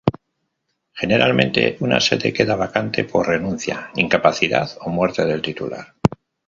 Generalmente una sede queda vacante por renuncia, incapacidad o muerte del titular.